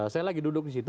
saya lagi duduk di situ